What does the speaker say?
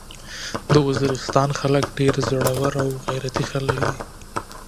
د وزيرستان خلک ډير زړور او غيرتي خلک دي.